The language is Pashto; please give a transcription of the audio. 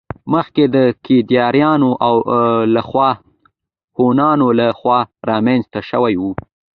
مخکې د کيداريانو او الخون هونانو له خوا رامنځته شوي وو